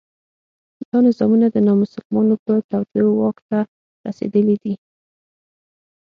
دا نظامونه د نامسلمانو په توطیو واک ته رسېدلي دي.